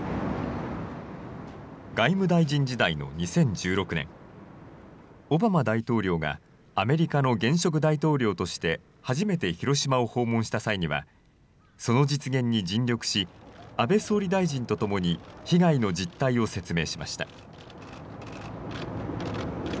外務大臣時代の２０１６年、オバマ大統領がアメリカの現職大統領として初めて広島を訪問した際には、その実現に尽力し、安倍総理大臣と共に被害の実態を説明しました。